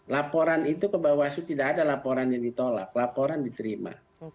laporan itu ke bawaslu tidak ada laporan yang ditolak laporan diterima